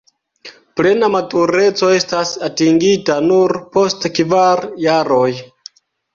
Plena matureco estas atingita nur post kvar jaroj.